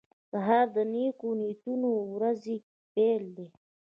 سهار د نیکو نیتونو ورځې پیل دی.